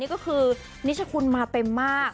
ก็คือนิชคุณมาเต็มมาก